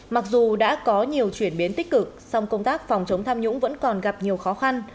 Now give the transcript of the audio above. mặc dù đã có nhiều chuyển biến tích cực song công tác phòng chống tham nhũng vẫn còn gặp nhiều khó khăn